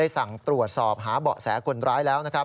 สั่งตรวจสอบหาเบาะแสคนร้ายแล้ว